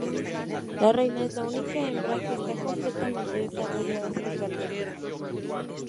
La reina es la única hembra que está completamente desarrollada sexualmente.